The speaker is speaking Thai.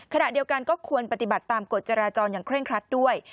ขณะเดียวกันก็ควรปฏิบัติตามกฎจราจรอย่างเคร่งครัดด้วย